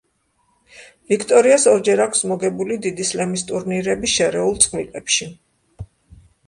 ვიქტორიას ორჯერ აქვს მოგებული დიდი სლემის ტურნირები შერეულ წყვილებში.